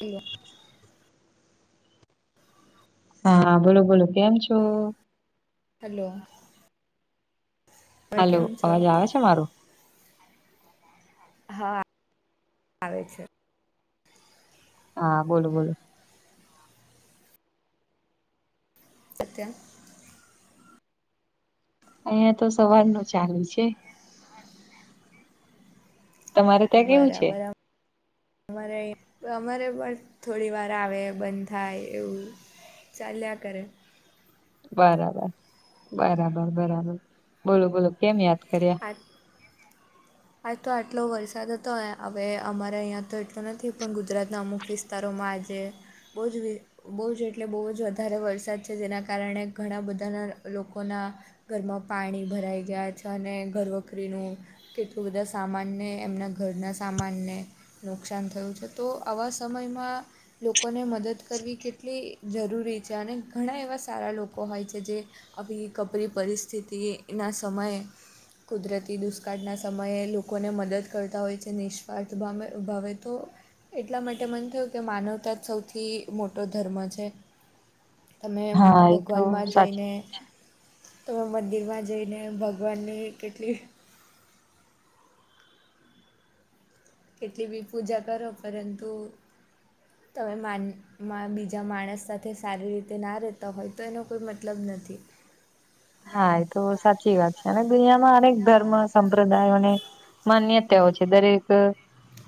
એવું. હાા બોલો બોલો કેમ છો? હલો. તમે હલો કેમ છો? અવાજ આવે છે મારો. હા આવે છે. હા બોલો બોલો. સત્યમ. અહિયાં તો સવારનુ ચાલેુ છે. [inaudible] તમારે ત્યાં કેવું છે બરાબર. અમારે અમારે પણ થોડી વાર આવે બંધ થાય એવું. ચાલ્યા કરે. બરાબર બરાબર બરાબર બોલો બોલો કેમ યાદ કર્યા. હા. આજ તો આટલો વરસાદ હતો હવે અમારે અહીં તો એટલો નથી પણ ગુજરાતના અમુક વિસ્તાર વિસ્તારો આજે બહુ જ બહુ જ એટલે બહુ જ વધારે વરસાદ છે જેના કારણે ઘણા બધાના લોકોના ઘરમાં પાણી ભરાઈ ગયા છે અને ઘરવખરીનું કેટલાું બધા સામાનને એમના ઘરના સામાનને નુકસાન થયું છે તો આવા સમયમાં લોકોને મદદ કરવી કેટલી જરૂરી છે અને ઘણા એવા સારા લોકો હોય છે જે આવી કપરી પરિસ્થિતિના સમયે કુદરતી દુષ આજના સમયે લોકોને મદદ કરતા હોય છે નિષ્વાથૅ ભાવ મે ભાવે તો. એટલા માટે મને થયું કે માનવતા સૌથી મોટો ધર્મ છે. તમે હા એ તો ભગવાનમાં જઈને. સાચી વાત છે તમે મંદિરમાં જઈને ભગવાનની કેટલી. કેટલી બી પૂજા કરો પરંતુ તમે માન મા બીજા માણસ સાથે સારી રીતે ના રહેતા હોય તો એનો કોઈ મતલબ નથી. હા એ તો સાચી વાત છે અને દુનિયામાં અનેક ધર્મ સંપ્રદાયોને માન્યતાઓ છે દરેક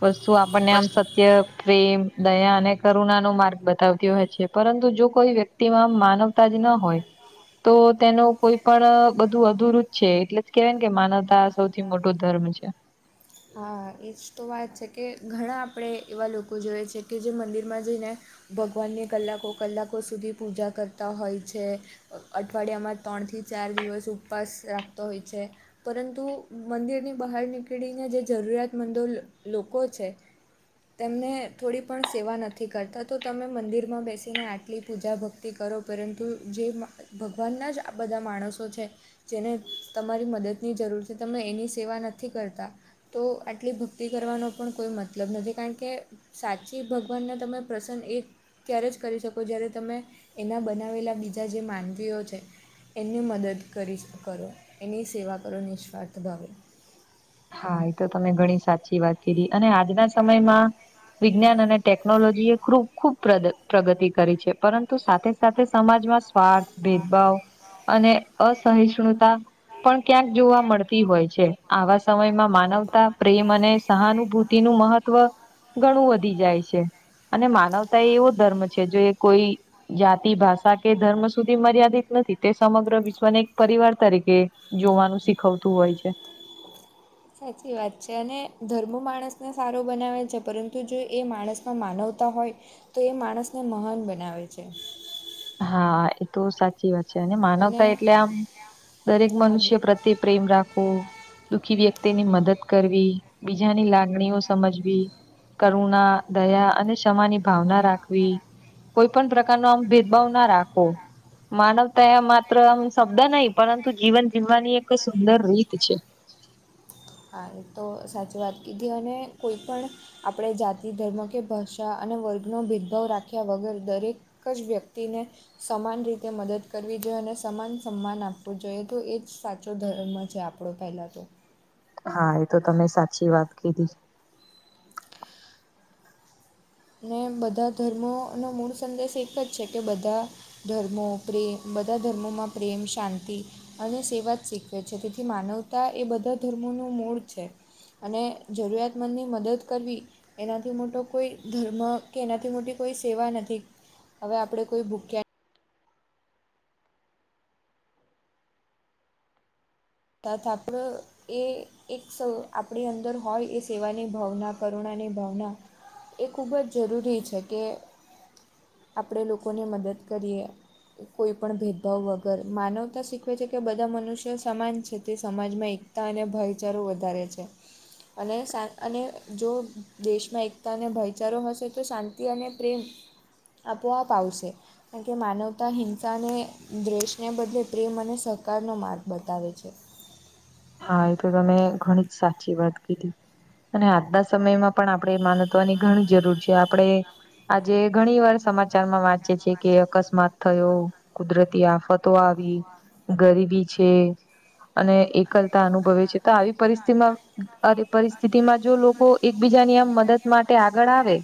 વસ્તુ આપણને આમ. સત્ય પ્રેમ દયા અને કરુણા નો માર્ગ બતાવતી હોય છે પરંતુ જો કોઈ વ્યક્તિમાં માનવ તા ના હોય તો તેનો કોઈ પણ બધું અધુરું જ છે એટલે કેવાય કે માનવતા સૌથી મોટો ધર્મ છે. હા એ જ તો વાત છે કે ઘણા આપણે એવા લોકો જોઈએ છે કે જે મંદિરમાં જઈને ભગવાનને કલાકો કલાકો સુધી પૂજા કરતા હોય છે. અઠવાડિયામાં ત્રણથી ચાર દિવસ ઉપવાસ રાખતો હોય છે. પરંતુ મંદિરની બહાર નીકળીને જે જરૂરિયાત મંદો લો લોકો છે. તેમને થોડી પણ સેવા નથી કરતા તો તમે મંદિરમાં બેસીને આટલી પૂજા ભક્તિ તે કરો પરંતુ જે ભગવાનના જ આ બધા માણસો છે. જેને તમારી મદદની જરૂર છે તમે એની સેવા નથી કરતા. તો આટલી ભક્તિ કરવાનો પણ કોઈ મતલબ નથી કાકે. સાચી ભગવાનના તમે પ્રસંગ એક ત્યારે જ કરી શકો જ્યારે તમે એના બનાવેલા બીજા જે માનવીઓ છે. એને મદદ કરી કરો એની સેવા કરો નિસ્વાર્થ ભાવ. હા એ તો તમે ઘણી સાચી વાત કરી અને આજના સમયમાં. વિજ્ઞાન અને ટેકનોલોજી એ ખૂબ ખૂબ પ્રગ પ્રગતિ કરી છે પરંતુ સાથે સાથે સમાજમાં સ્વાર્થ ભેદભાવ અને અસહિષ્ણુતા પણ ક્યાંક જોવા મળતી હોય છે આવા સમયમાં માનવતા પ્રેમ અને સહાનુભૂતિ નું મહત્વ ઘણું વધી જાય છે અને માનવતા એ એવો ધર્મ છે જે કોઈ જાતિ ભાષા કે ધર્મ સુધી મર્યાદિત નથી તે સમગ્ર વિશ્વને એક પરિવાર તરીકે જોવાનું શીખવતું હોય છે. સાચી વાત છે અને ધર્મ માણસને સારો બનાવે છે પરંતુ જો એ માણસમાં માનવતા હોય તો એ માણસને મહાન બનાવે છે. હા એ તો સાચી વાત છે અને માનવતા એટલે આમ દરેક આ મનુષ્ય પ્ર તે પ્રેમ રાખો દુઃખી વ્યક્તિની મદદ કરવી બીજાની લાગણીઓ સમજવી. કરુણા દયા અને ક્ષમાની ભાવના રાખવી કોઈ પણ પ્રકાર નો આમ ભાવ ના રાખો માનવતા માત્ર આમ શબ્દ નહી પરંતુ જીવન જીવવાની એક સુંદર રીત છે. હા એ તો સાચી વાત કીધી અને કોઈ પણ આપણે જાતિ ધર્મ કે ભાષા અને વર્ગનો ભેદભાવ રાખ્યા વગર દરેક એક જ વ્યક્તિને સમાન રીતે મદદ કરવી જોઈએ અને સમાન સન્માન આપવું જોઈએ તો એ જ સાચો ધર્મ છે આપણે આપણો પેલા તો. હા એ તો તમે સાચી વાત કીધી. અને બધા ધર્મો અને મૂળ સંદેશ એક જ છે કે બધા ધર્મો પ્રેમ બધા ધર્મોમાં પ્રેમ શાંતિ અને સેવા જ શીખવે છે તેથી માનવતા એ બધા ધર્મોનું મૂળ છે. અને જરૂરિયાતમંદ ની મદદ કરવી એનાથી મોટો કોઈ ધર્મ કે એનાથી મોટી કોઈ સેવા નથી હવે આપણે કોઈ ભૂખ્યા તથ આપણે એ એક સ આપણી અંદર હોય એ સેવાની ભાવના કરુણાની ભાવના એ ખૂબ જ જરૂરી છે કે આપણે લોકોને મદદ કરીએ કોઈ પણ ભેદભાવ વગર માનવતા શીખવે છે કે બધા મનુષ્ય સમાન છે છે તે સમાજમાં એકતા અને ભાઈચારો વધારે છે અને સા અને જો દેશમાં એકતા અને ભાઈચારો હશે તો શાંતિ અને પ્રેમ આપોઆવ આવસે કારણ કે માનવતા હિંસાને દ્વેષને બદલે પ્રેમ અને સહકારનો માર્ગ બતાવે છે હા, એ તો તમે ઘણી જ સાચી વાત કીધી અને આજના સમયમાં પણ આપણેે માન ની ઘણી જરૂર છે આપણે આજે ઘણી વાર સમાચારમાં વાંચીએ છીએ કે અકસ્માત થયો કુદરતી આફતો આવી હા ગરીબી છે, અને એક કરતા અનુભવે છે તો આવી પરિસ્થિતિમાં આવી પરિસ્થિતિમાં જો લોકો એકબીજાની આમ મદદ માટે આગળ આવે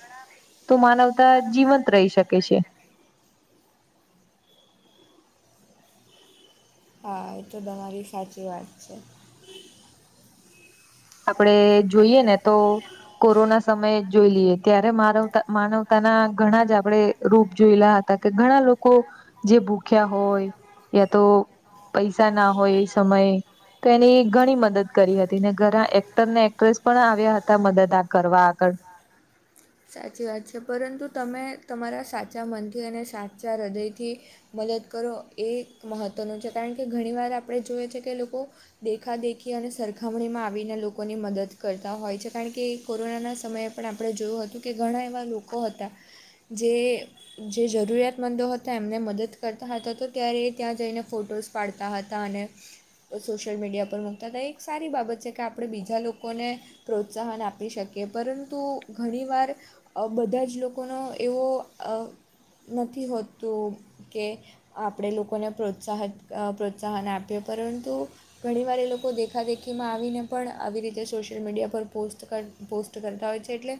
તો માનવતા જીવંત રહી શકે છે હા, એ તો તમારી સાચી વાત છે આપડે જોઈએ ને તો કોરોના સમયે જોઈ લઈએ ત્યારે માનવ માનવતાના ઘણા જ આપણેે રૂપ જોયેલા હતા કે ઘણા લોકો જે ભૂખ્યા હોય યા તો પૈસા ના હોય એ સમયે તો એની ઘણી મદદ કરી હતી ને ઘરા એક્ટર ને એક્ટ્રેસ પણ આવ્યા હતા મદદ આ કરવા આગળ સાચી વાત છે, પરંતુ તમે તમારા સાચા મનથી અને સાચા હૃદયથી મદદ કરો એ મહત્ત્વનું છે કારણ કે ઘણીવાર આપણે જોઈએ છે કે લોકો દેખાદેખી અને સરખામણીમાં આવીને લોકોની મદદ કરતા હોય છે કારણ કે કોરોનાના સમયે પણ આપણે જોયું હતું કે ઘણા એવા લોકો હતા જે જે જરૂરિયાતમંદો હતા એમને મદદ કરતા હતા તો ત્યારે એ ત્યાં જઈને ફોટોસ પાડતા હતા અને સોશિયલ મીડિયા પર મૂકતા હતા, એક સારી બાબત છે કે આપણે બીજા લોકોને પ્રોત્સાહન આપી શકીએ પરંતુ ઘણી વાર આવુ બધા જ લોકોનો એવો નથી હોતું કે આપણે લોકોને પ્રોત્સાહિત પ્રોત્સાહન આપએ પરંતુ ઘણી વાર એ લોકો દેખાદેખીમાં આવીને પણ આવી રીતે સોશિયલ મીડિયા પર પોસ્ટ કર પોસ્ટ કરતા હોય છે એટલે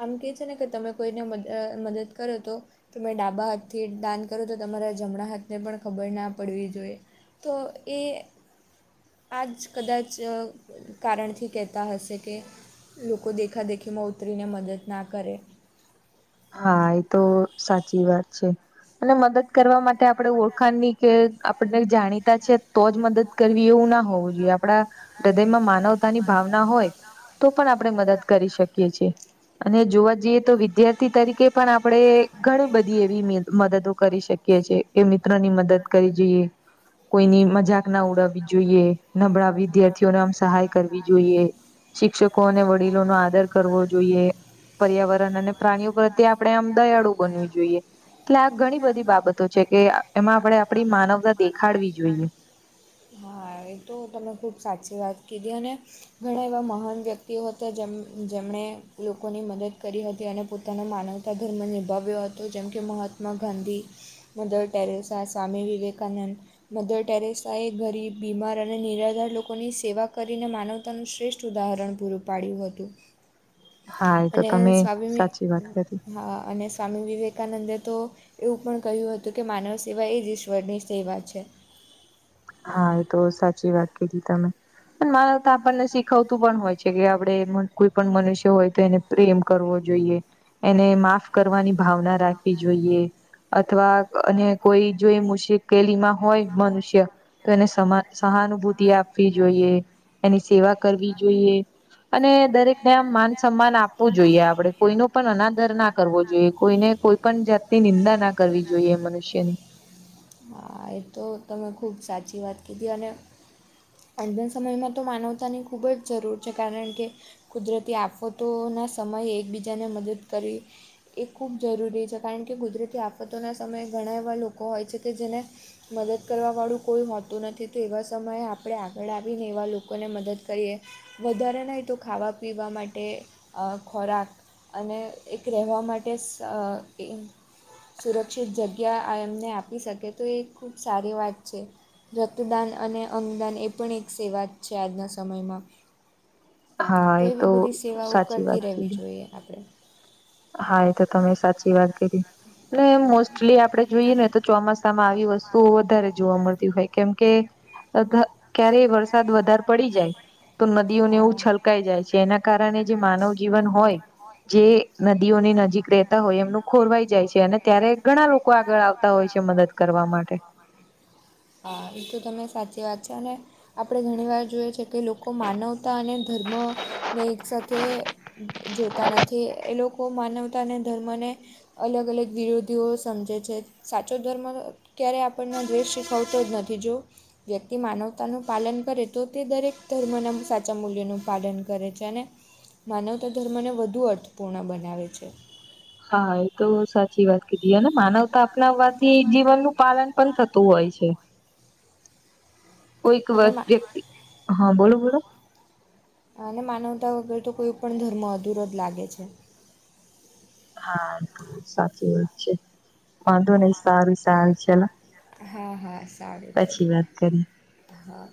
આમ કહે છે ને કે તમે કોઈને મદ મદદ કરો તો તમે ડાબા હાથથી દાન કરો તો તમારા જમણા હાથને પણ ખબર ના પડવી જોઈએ તો એ આ જ કદાચ કારણથી કહેતા હશે કે લોકો દેખાદેખીમાં ઉતરીને મદદ ના કરે હા, એ તો સાચી વાત છે અને મદદ કરવા માટે આપણે ઓળખાણની કે આપને જાણી તો જ મદદ કરવી એવું ના હોવું જોઈએ આપડા હૃદયમાં મા માનવતાની ભાવના હોય તો પણ આપણે મદદ કરી શકીએ છીએ અને જોવા જઈએ તો વિદ્યાર્થી તરીકે પણ આપણેે ઘણી બધી એવી મ મદદો કરી શકીએ છીએ એ મિત્રો ની મદદ કરી જોઈએ કોઈની મજાક ન ઉડાવવી જોઈએ નબળા વિદ્યાર્થીઓને આમ સહાય કરવી જોઈએ શિક્ષકો અને વડીલો નો આદર કરવો જોઈએ પર્યાવરણ અને પ્રાણીઓ પ્રત્યે આપણે આમ દયાળુ બનવી જોઈએ, એટલે આ ઘણી બધી બાબતો છે કેમ એમાં આપણે આપડી માનવતા દેખાડવી જોઈએ હા, એ તો તમે ખૂબ સાચી વાત કીધી અને ઘણા એવા મહાન વ્યક્તિઓ હતા જે જેમણે લોકોની મદદ કરી હતી અને તના માનવતા ધર્મ નિભાવ્યો હતો જેમ કે Mahatma Gandhi Mother Teresa, Swami Vivekananda, Mother Teresa એ ગરીબ, બીમાર અને નિરાધાર લોકોની સેવા કરીને માનવતાનું શ્રેષ્ઠ ઉદાહરણ પૂરું પાડ્યું હતું હ. અને સ્વામી વાત કરી હા અને સ્વામી વિવે કાનંદે તો એવું પણ કહ્યું હતું કે માનવ સેવા એ જ ઈશ્વરની સેવા છે. હા એ તો સાચી વાત કીધી તમે અન માનવતા આપણને શીખવતું પણ હોય છે. આપડે કોઈ પણ મનુષ્ય હોય તો એને પ્રેમ કરવો જોઈએ એને માફ કરવાની ભાવના રાખવી જોઈએ અથવા અને કોઈ જો મુશી કેલીમાં હોય મનુષ્ય તો એને સમા સહાનુભૂતિ આપવી જોઈએ એની સેવા કરવી જોઈએ અને દરેકને આમ માન સન્માન આપવું જોઈએ આપડે કોઈ નો પણ અનાદાર ના કરવો જોઈએ કોઈને કોઈ પણ જાત ની નિંદા ના કરવી જોઈએ મનુષ્યની હા એ તો તમે ખૂબ સાચી વાત કીધી અને આનબન સમયમાં તો માનવતાની ખૂબ જ જરૂર છે, કારણ કે કુદરતી આફતોના સમયે એકબીજાને મદદ કરી એ ખૂબ જરૂરી છે, કારણ કે કુદરતી આફતોના સમયે ઘણા એવા લોકો હોય છે, કે જેને મદદ કરવા વાળું કોઈ હોતું નથી તો એવા સમયે આ પણે આગળ આવીને એવા લોકોને મદદ કરીએ વધારે નહીં તો ખાવા પીવા માટે અ ખોરાક અને એક રહેવા માટે સ એ સુરક્ષિત જગ્યા એમને આપી શકે તો એ ખૂબ સારી વાત છે. રતુદાન અને અંગદાન એ પણ એક સેવા જ છે, આજના સમયમાં હા તો એ એવી બધી સેવાઓ સાચી કરતી વાત રહેવી કીધી જોઈએ આપડે હા એ તો તમે સાચી વાત કુધી એટલે હા મોસ્ટલી આપડે જોઈએ ને તો ચોમાસ તામ આવી વસ્તુઓ વધારે જોવા મળતી હોય કેમકે અધ ક્યારેય વરસાદ વધાર પડી જાય તો નદીઓ નેવું છલકાઈ જાય છે, એના કારણે જે માનવ જીવન હોય જે નદીઓની નજીક રહેતા હોય એમનું ખોરવાઈ જાય છે, અને ત્યારે ઘણા લોકો આગળ આવતા હોય છે, મદદ કરવા માટે હા એ તમે સાચી વાત છે, અને આપડે ઘણી વાર જોઈએ છે, કે લોકો માનવતા અને ધર્મ ને એક સાથે જોતા નથી એ લોકો માનવતા અને ધર્મને અલગ અલગ વિરોધીઓ સમજે છે, સાચો ધર્મ ક્યારેય આપણને દ્વેષ શીખવતો જ નથી જો તે માનવતાનું પાલન કરે તો તે દરેક ધર્મના સાચા મૂલ્યનું પાલન કરે છે, અને માનવતા ધર્મને વધુ અર્થપૂર્ણ બનાવે છે. હા એ તો સાચી વાત કીધી અને માનવતા અપનાવવાથી જીવનનું પાલન પન થતું હોય છે. કોઈક વ અને મા વયકતી હા બોલો બોલો અને માનવતા વગર તો કોઈ પણ ધર્મ અધુરો જ લાગે છે. હા તો સાચી વાત છે. વાંધો નહી સારું સારું ચલો હા હા સારું ચલો પછી વાત કરીએ હા